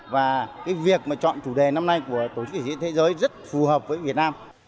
và cái việc mà chọn chủ đề năm nay của tổ chức kỷ diễn thế giới rất phù hợp với việt nam